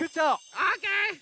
オーケー！